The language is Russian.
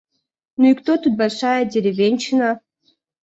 «Ну и кто тут большая деревенщина?»